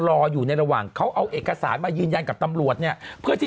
รออยู่ในระหว่างเขาเอาเอกสารมายืนยันกับตำรวจเนี่ยเพื่อที่